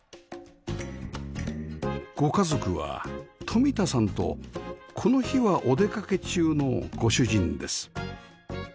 ご家族は冨田さんとこの日はお出かけ中のご主人です